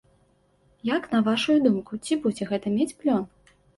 Як на вашую думку, ці будзе гэта мець плён?